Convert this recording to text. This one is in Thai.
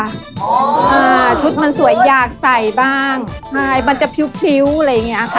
อ่าชุดมันสวยอยากใส่บ้างใช่มันจะพริ้วพริ้วอะไรอย่างเงี้ยค่ะ